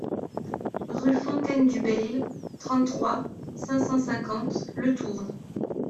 Rue Fontaine du Bayle, trente-trois, cinq cent cinquante Le Tourne